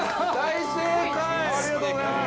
◆ありがとうございます。